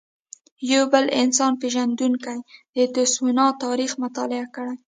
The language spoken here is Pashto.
یو بل انسان پېژندونکی د تسوانا تاریخ مطالعه کړی.